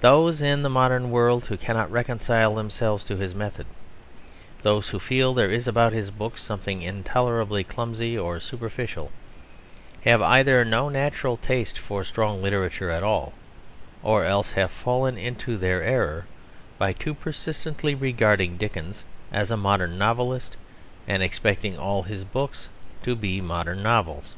Those in the modern world who cannot reconcile themselves to his method those who feel that there is about his books something intolerably clumsy or superficial have either no natural taste for strong literature at all, or else have fallen into their error by too persistently regarding Dickens as a modern novelist and expecting all his books to be modern novels.